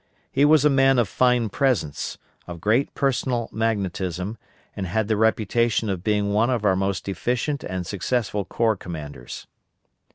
He was a man of fine presence, of great personal magnetism, and had the reputation of being one of our most efficient and successful corps commanders.